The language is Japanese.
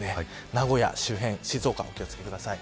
名古屋周辺静岡、お気を付けください。